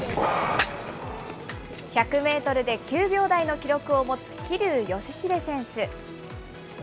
１００メートルで９秒台の記録を持つ、桐生祥秀選手。